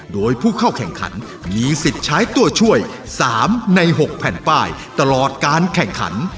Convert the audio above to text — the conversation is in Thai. โดยผู้เข้าแข่งขันมีสิทธิ์ใช้ตัวช่วย๓ใน๖แผ่นป้ายตลอดการแข่งขัน